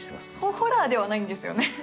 ずっとホラーではないんですよね？